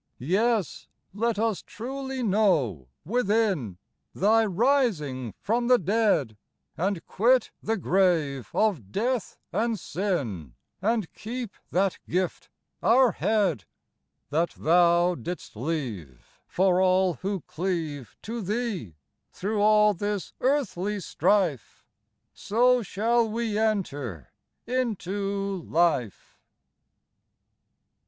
66 Yes, let us truly know within Thy rising from the dead ; And quit the grave of death and sin, And keep that gift, our Head, That Thou didst leave For all who cleave To Thee through all this earthly strife : So shall we enter into life.